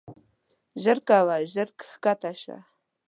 ژر کوه ژر کښته شه.